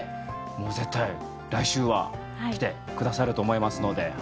もう絶対、来週は来てくださると思いますので。